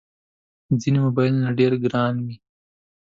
ځینې موبایلونه ډېر ګران وي.